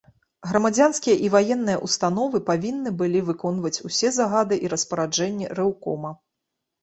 Грамадзянскія і ваенныя ўстановы павінны былі выконваць усе загады і распараджэнні рэўкома.